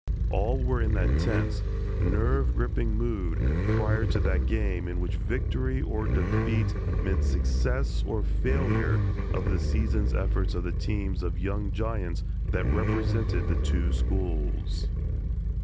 All were in that tense, nerve gripping mood prior to that game in which victory or defeat meant success or failure of the season's efforts of the teams of young giants that represented the two schools.